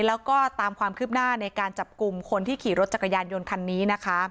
แล้วก็ตามความคืบหน้าในการจับกลุ่มคนที่ขี่รถจักรยานยนต์คันนี้นะคะ